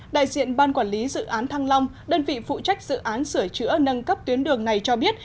đại diện ban quản lý dự án thăng long đơn vị phụ trách dự án sửa chữa nâng cấp tuyến đường này cho biết